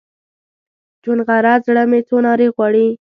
چونغره زړه مې څو نارې غواړي